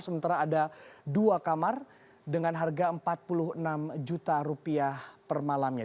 sementara ada dua kamar dengan harga rp empat puluh enam juta rupiah per malamnya